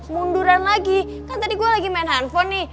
munduran lagi kan tadi gue lagi main handphone nih